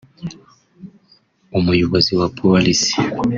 umuyobozi wa Polisi